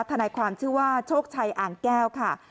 ทนายความชื่อว่าโชคชัยอ่างแก้วค่ะ